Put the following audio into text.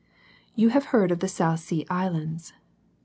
You have heard of the South Sea Islands.